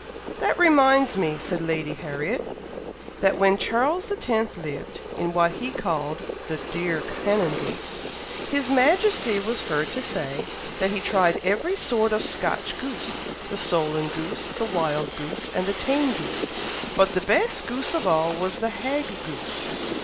"That reminds me," said Lady Harriet, "that when Charles X. lived in what he called the 'dear Canongate,' His Majesty was heard to say, that he tried every sort of Scotch goose, 'the solan goose, the wild goose, and the tame goose; but the best goose of all, was the hag goose.'"